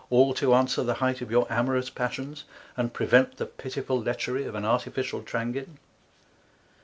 All to answer the height of your Amorous Passions, and prevent the pitiful Letchery of an Artificial Tranguin.